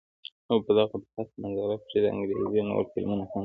او په دغه پس منظر کښې د انګرېزي نور فلمونه هم